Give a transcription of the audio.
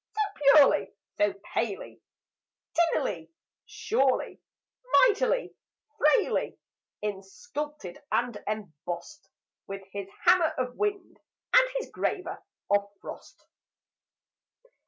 So purely, so palely, Tinily, surely, Mightily, frailly, Insculped and embossed, With His hammer of wind, And His graver of frost."